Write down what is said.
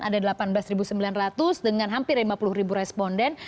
ada delapan belas sembilan ratus dengan hampir lima puluh responden